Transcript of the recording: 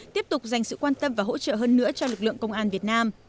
tiếp tục dành sự quan tâm và hỗ trợ hơn nữa cho lực lượng công an việt nam